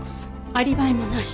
アリバイもなし。